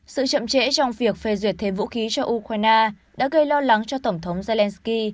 sự chậm trễ trong việc phê duyệt thêm vũ khí cho ukraine đã gây lo lắng cho tổng thống zelensky